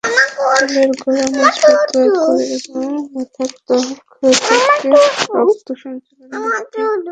চুলের গোড়া মজবুত করে এবং মাথার ত্বকে রক্ত সঞ্চালন বৃদ্ধি করে।